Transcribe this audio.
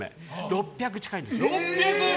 ６００近いんですよ。